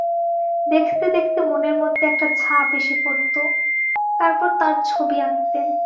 দেখতে দেখতে মনের মধ্যে একটা ছাপ এসে পড়ত, তারপর তাঁর ছবি আঁকতেন।